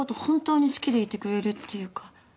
本当に好きでいてくれるっていうか。